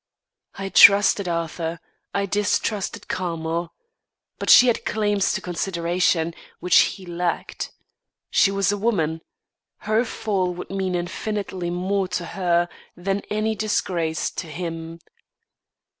I trusted Arthur; I distrusted Carmel. But she had claims to consideration, which he lacked. She was a woman. Her fall would mean infinitely more to her than any disgrace to him.